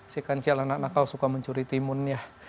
si kancil anak anak kau suka mencuri timun ya